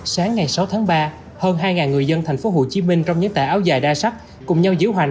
sáng ngày sáu tháng ba hơn hai người dân tp hcm trong những tà áo dài đa sắc cùng nhau diễu hành